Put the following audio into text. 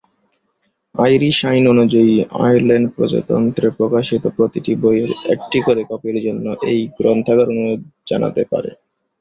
Irish আইন অনুযায়ী, Ireland প্রজাতন্ত্রে প্রকাশিত প্রতিটি বইয়ের একটি করে কপির জন্য এই গ্রন্থাগার অনুরোধ জানাতে পারে।